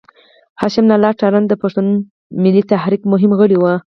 هاشم لالا تارڼ د پښتون ملي تحريک مهم غړی و.